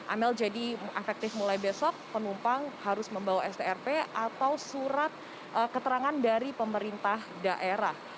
amel jadi efektif mulai besok penumpang harus membawa strp atau surat keterangan dari pemerintah daerah